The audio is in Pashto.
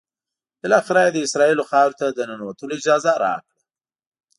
بالآخره یې د اسرائیلو خاورې ته د ننوتلو اجازه راکړه.